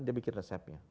dia bikin resepnya